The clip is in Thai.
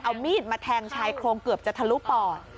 เอามีดมาแทงชายโครงเกือบจะทะลุปอด